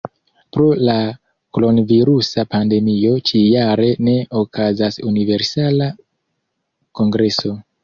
Pro la kronvirusa pandemio ĉi-jare ne okazas Universala Kongreso.